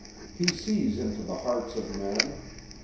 He sees into the hearts of men.